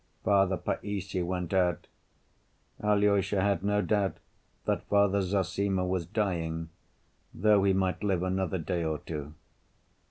Father Païssy went out. Alyosha had no doubt that Father Zossima was dying, though he might live another day or two.